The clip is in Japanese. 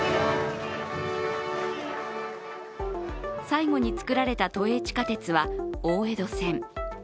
最後に造られた都営地下鉄は大江戸線。